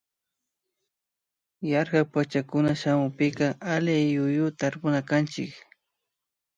Yarkak pachacunan shamunpika alliyuyu tarpunakanchik